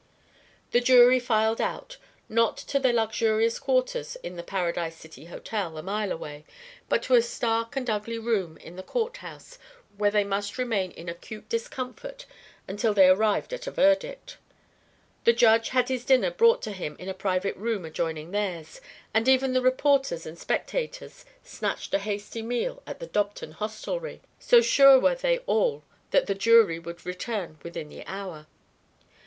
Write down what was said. The jury filed out, not to their luxurious quarters in the Paradise City Hotel, a mile away, but to a stark and ugly room in the Court house where they must remain in acute discomfort until they arrived at a verdict. The Judge had his dinner brought to him in a private room adjoining theirs, and even the reporters and spectators snatched a hasty meal at the Dobton hostelry, so sure were they all that the jury would return within the hour.